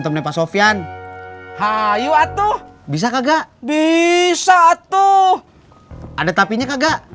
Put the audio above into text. temen pak sofyan hayu atuh bisa kagak bisa tuh ada tapi nya kagak